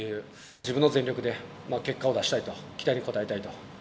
自分の全力で結果を出したいと期待に応えたいと。